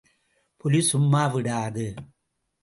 புலி சும்மா விடாது.